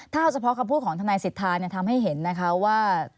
ถ้าเอาเฉพาะคำพูดของทนายสิทธาทำให้เห็นนะคะว่า